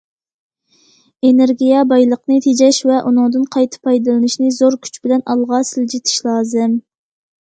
ئېنېرگىيە- بايلىقنى تېجەش ۋە ئۇنىڭدىن قايتا پايدىلىنىشنى زور كۈچ بىلەن ئالغا سىلجىتىش لازىم.